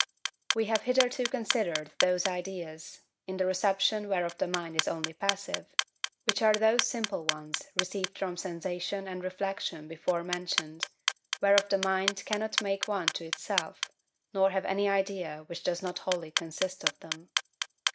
We have hitherto considered those ideas, in the reception whereof the mind is only passive, which are those simple ones received from sensation and reflection before mentioned, whereof the mind cannot make one to itself, nor have any idea which does not wholly consist of them.